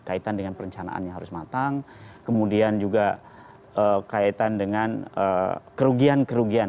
kaitan dengan perencanaannya harus matang kemudian juga kaitan dengan kerugian kerugian